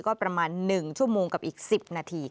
ก็ประมาณ๑ชั่วโมงกับอีก๑๐นาที